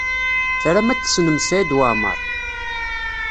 Tram ad tessnem Saɛid Waɛmaṛ?